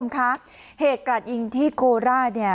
ขอบคุณค่ะเหตุการณ์ยิงที่โคลร่าเนี่ย